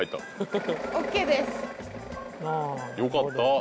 よかった。